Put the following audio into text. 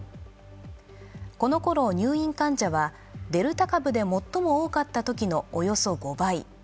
この頃、入院患者はデルタ株で最も多かったときのおよそ５倍。